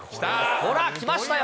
ほら、来ましたよ。